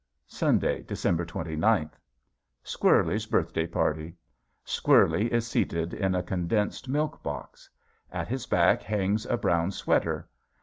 Sunday, December twenty ninth. Squirlie's birthday party. Squirlie is seated in a condensed milk box. At his back hangs a brown sweater.